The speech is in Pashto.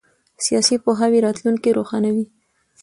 سیاسي پوهاوی راتلونکی روښانوي